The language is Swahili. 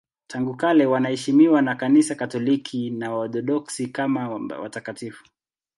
Tangu kale wanaheshimiwa na Kanisa Katoliki na Waorthodoksi kama watakatifu.